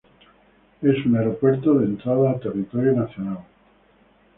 Es un aeropuerto de entrada a territorio nacional.